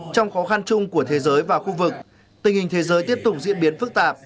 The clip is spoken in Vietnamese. trong khó khăn chung của thế giới và khu vực tình hình thế giới tiếp tục diễn biến phức tạp